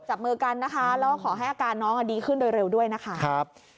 จับมือกันนะคะแล้วก็ขอให้อาการน้องดีขึ้นโดยเร็วด้วยนะคะ